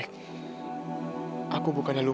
taruh aja di sana